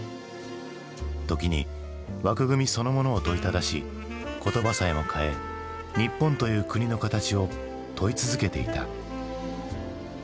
時に枠組みそのものを問いただし言葉さえも変え日本という国の形を問い続けていた。